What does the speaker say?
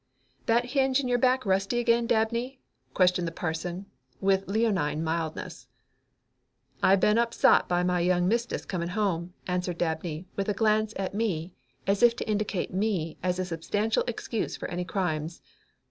"That hinge in your back rusty again, Dabney?" questioned the parson, with leonine mildness. "I been upsot by my young mistis coming home," answered Dabney, with a quick glance at me as if to indicate me as a substantial excuse for any crimes.